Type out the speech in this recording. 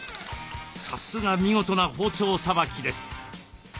さすが見事な包丁さばきです。